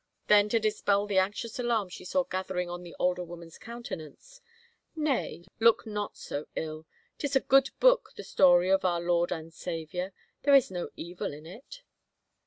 Then to dispell the anxious alarm she saw gathering on the older woman's countenance, " Nay, look not so ill. Tis a good book, the story of our Lord and Saviour. There is no evil in it."